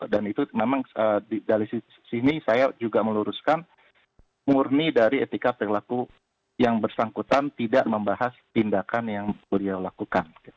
dan itu memang dari sini saya juga meluruskan murni dari etika perilaku yang bersangkutan tidak membahas tindakan yang beliau lakukan